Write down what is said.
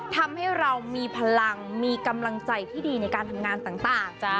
ทำให้เรามีพลังมีกำลังใจที่ดีในการทำงานต่าง